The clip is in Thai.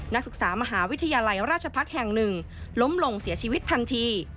นักศึกษามหาวิทยาลัยราชพัฒน์แห่งหนึ่งล้มลงเสียชีวิตทันที